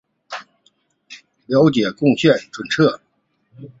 无国界记者是的成员。